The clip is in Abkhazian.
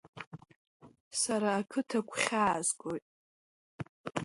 Сара ақыҭа гәхьаазгон.